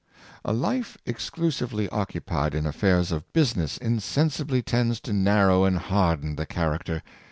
A life exclusively occupied in affairs of business in sensibly tends' to narrow and harden the character.